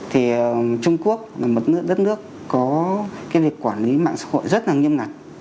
thì trung quốc là một đất nước có cái quy định quản lý mạng xã hội rất là nghiêm ngặt